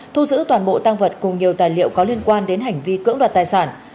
thu giữ toàn bộ tăng vật cùng nhiều tài liệu có liên quan đến hành vi cưỡng đoạt tài sản